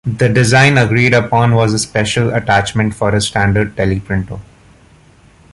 The design agreed upon was a special attachment for a standard teleprinter.